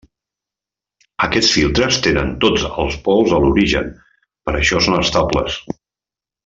Aquests filtres tenen tots els pols a l'origen, per això són estables.